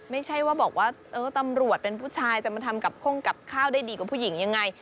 ไม่ใช่ว่าบอกว่าตำรวจเป็นผู้ชายจะมาทำกับข้งกับข้าวได้ดีกว่าผู้หญิงยังไง